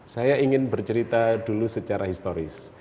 saya ingin bercerita dulu secara historis